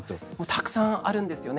たくさんあるんですよね。